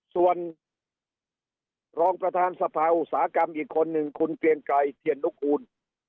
ส่วนรองประธานสภาอุตสาหกรรมอีกคนหนึ่งคุณเกรียงไกรเทียนนุกูล